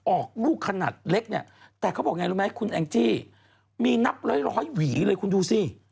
ออกลูกขนาดเล็กเนี่ยแต่เขาบอกไงรู้ไหมคุณแองจี้มีนับร้อยหวีเลยคุณดูสิ